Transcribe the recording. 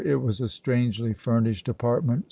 It was a strangely furnished apartment.